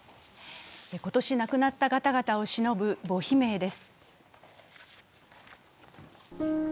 今年、亡くなった方々をしのぶ墓碑銘です。